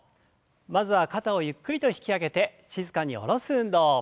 まずは肩をゆっくりと引き上げて静かに下ろす運動。